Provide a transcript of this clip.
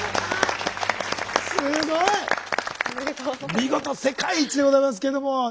見事世界一でございますけども。